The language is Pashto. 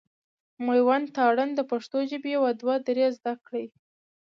مېوند تارڼ د پښتو ژبي يو دوه درې زده کړي.